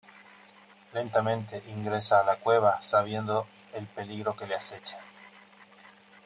Lentamente ingresa a la cueva sabiendo el peligro que le acecha.